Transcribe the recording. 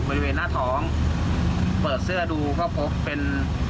บริเวณหน้าท้องเปิดเสื้อดูก็พบเป็น